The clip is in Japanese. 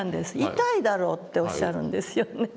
「痛いだろう」っておっしゃるんですよね。